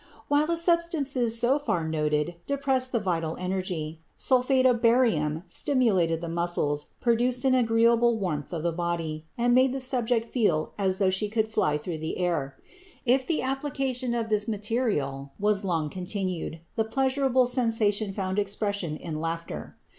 While the substances so far noted depressed the vital energy, sulphate of barium stimulated the muscles, produced an agreeable warmth of the body, and made the subject feel as though she could fly through the air. If the application of this material was long continued, the pleasurable sensation found expression in laughter.